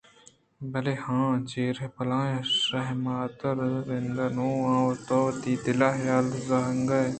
بلے ہاں چرے بلاہیں شہمات ءَ رَند نوں تو وتی دل ءِ حال ءَ زانگائے